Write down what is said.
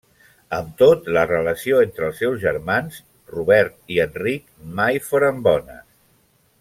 Amb tot, la relació entre els seus germans Robert i Enric mai foren bones.